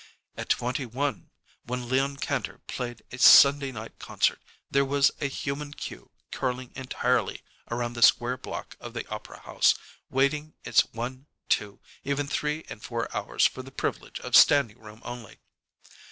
At twenty one, when Leon Kantor played a Sunday night concert, there was a human queue curling entirely around the square block of the operahouse, waiting its one, two, even three and four hours for the privilege of standing room only.